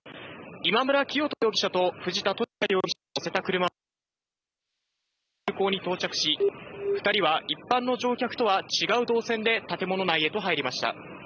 今村磨人容疑者と藤田聖也容疑者を乗せた車はつい先程、こちらの空港に到着し、２人は一般の乗客とは違う導線で建物内へと入りました。